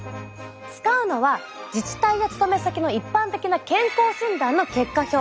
使うのは自治体や勤め先の一般的な健康診断の結果表。